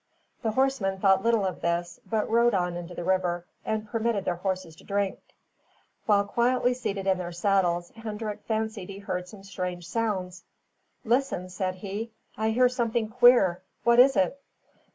The horsemen thought little of this, but rode on into the river, and permitted their horses to drink. While quietly seated in their saddles, Hendrik fancied he heard some strange sounds. "Listen!" said he. "I hear something queer. What is it?"